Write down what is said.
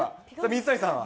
水谷さんは。